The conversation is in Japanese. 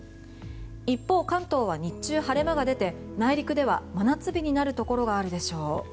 一方、関東は日中晴れ間が出て内陸では真夏日になるところがあるでしょう。